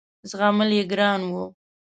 زغمل یې ګران وه.